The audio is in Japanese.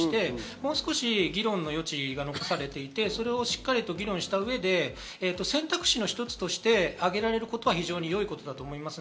もう少し議論の余地が残されていて、しっかり議論した上で選択肢の一つとして挙げられることは非常に良いことだと思います。